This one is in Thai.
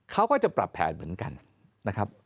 เขาก็จะปรับแผนเหมือนกันนะครับ